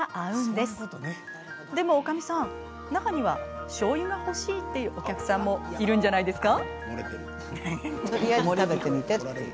でも、おかみさん中には、しょうゆが欲しいってお客さんもいるんじゃないですか。